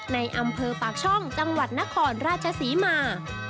ในอำเภอปากช่องจังหวัดนครราชศรีมา